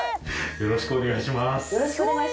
よろしくお願いします。